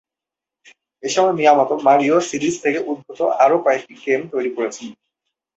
এসময় Miyamoto "Mario" series থেকে উদ্ভূত আরও কয়েকটি গেম তৈরি করেছেন।